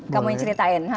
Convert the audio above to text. kamu yang ceritain